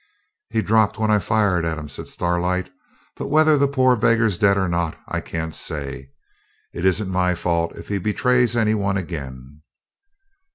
'He dropped when I fired at him,' says Starlight; 'but whether the poor beggar's dead or not I can't say. It isn't my fault if he betrays any one again.'